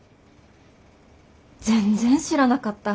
全然知らなかった。